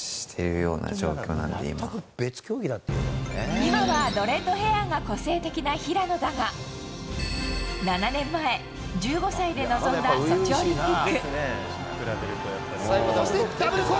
今は、ドレッドヘアが個性的な平野だが７年前、１５歳で臨んだソチオリンピック。